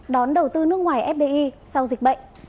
đón đầu tư nước ngoài fdi sau dịch bệnh